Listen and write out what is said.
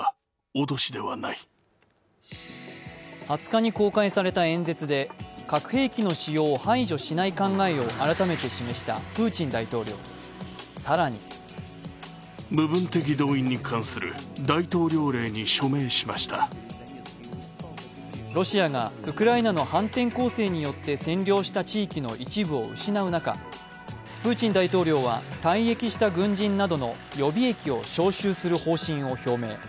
２０日に公開された演説で核兵器の使用を排除しない考えを改めて示したプーチン大統領、更にロシアがウクライナの反転攻勢によって占領した地域の一部を失う中プーチン大統領は退役した軍人などの予備役を招集する方針を表明。